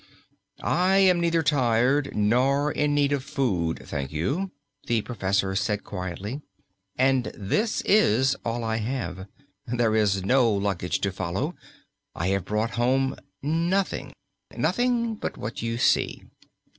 "I am neither very tired, nor in need of food, thank you," the professor said quietly. "And this is all I have. There is no luggage to follow. I have brought home nothing nothing but what you see."